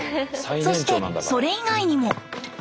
そしてそれ以外にも。